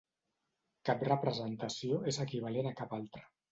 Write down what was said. Cap representació és equivalent a cap altra.